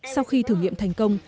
sau khi thử nghiệm thành công